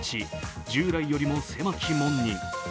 従来よりも狭き門に。